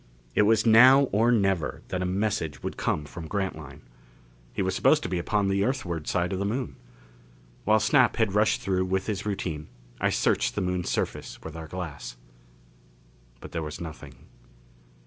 It was now or never that a message would come from Grantline. He was supposed to be upon the Earthward side of the Moon. While Snap had rushed through with his routine, I searched the Moon's surface with our glass. But there was nothing.